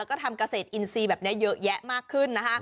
เราก็ทำกาเศรษฐ์อินซีแบบนี้เยอะแยะมากขึ้น